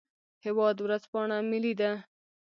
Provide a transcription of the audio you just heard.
هیواد ورځپاڼه ملي ده